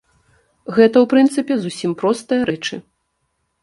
Гэта, у прынцыпе, зусім простыя рэчы.